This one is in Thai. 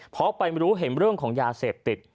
พอไปไม่รู้เห็นเรื่องของยาเสบติด